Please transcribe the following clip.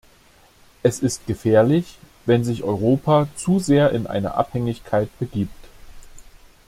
Es ist gefährlich, wenn sich Europa zu sehr in eine Abhängigkeit begibt.